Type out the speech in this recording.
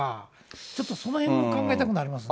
ちょっとそのへんも考えたくなりますね。